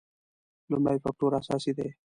لومړی فکټور اساسي دی.